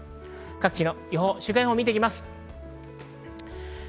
各地の週間予報を見ていきます。